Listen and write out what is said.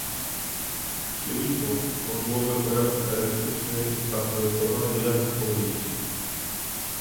Hiriko, modułowy pojazd elektryczny zaprojektowany do jazdy po mieście